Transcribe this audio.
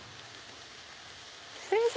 先生